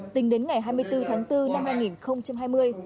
tính đến ngày hai mươi bốn tháng bốn năm hai nghìn hai mươi